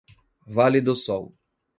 Vale do Sol